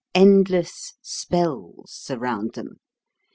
Endless spells surround them.